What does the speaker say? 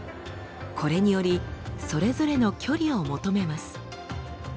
これによりそれぞれの距離を求めます。